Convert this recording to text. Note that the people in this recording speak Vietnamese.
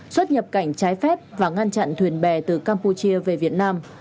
xuất nhập cảnh trái phép và ngăn chặn thuyền bè từ campuchia về việt nam